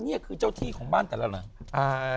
นี่คือเจ้าที่ของบ้านแต่ละหลัง